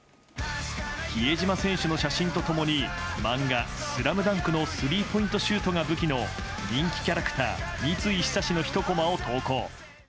比江島選手の写真と共に漫画「ＳＬＡＭＤＵＮＫ」のスリーポイントシュートが武器の人気キャラクター三井寿のひとコマを投稿。